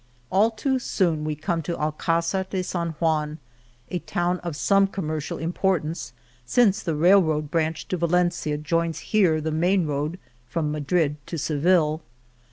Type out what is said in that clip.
All too soon do we come to Alcizar de San Juan, a town of some commercial im portance since the railroad branch to Valen cia joins here the main road from Madrid to Seville.